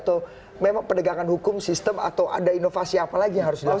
atau memang penegakan hukum sistem atau ada inovasi apa lagi yang harus dilakukan